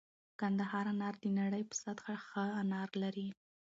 کندهار انار د نړۍ په سطحه ښه انار لري